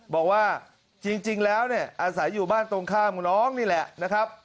บอกว่าจริงแล้วเนี่ยอาศัยอยู่บ้านตรงข้ามน้องนี่แหละนะครับ